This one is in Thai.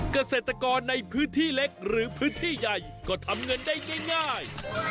เกษตรกรในพื้นที่เล็กหรือพื้นที่ใหญ่ก็ทำเงินได้ง่าย